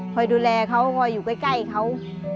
คอยดูแลเขาคอยอยู่ใกล้เขา